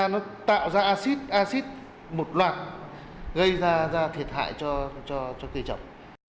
nó tạo ra acid acid một loạt gây ra thiệt hại cho cây trọng